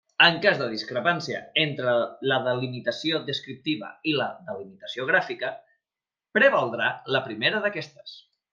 En cas de discrepància entre la delimitació descriptiva i la delimitació gràfica, prevaldrà la primera d'aquestes.